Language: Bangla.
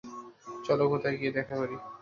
চল কোণায় গিয়ে দেখা করি।